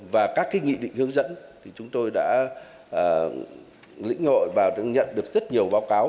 và các cái nghị định hướng dẫn chúng tôi đã lĩnh ngội và nhận được rất nhiều báo cáo